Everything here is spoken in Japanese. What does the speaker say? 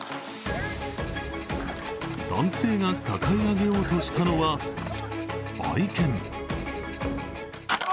男性が抱え上げようとしたのは、愛犬。